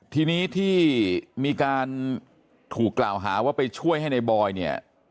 ทีนี้ที่มีการถูกกล่าวหาว่าไปช่วยให้ในบอยเนี่ย